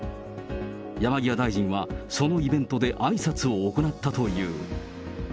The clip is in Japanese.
山際大臣は、そのイベントであいさつを行ったという。